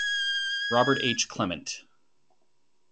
Robert H. Clement.